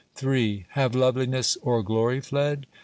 III Have loveliness or glory fled?